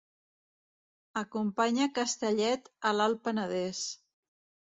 Acompanya Castellet a l'Alt Penedès.